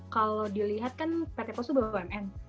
kalau dilihat kan pt pos itu bumn